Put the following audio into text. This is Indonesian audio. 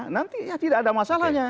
nanti ya tidak ada masalahnya